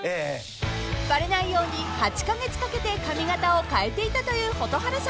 ［バレないように８カ月かけて髪形を変えていたという蛍原さん］